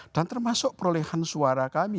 dan termasuk perolehan suara kami